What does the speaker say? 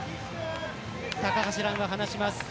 高橋藍が話します。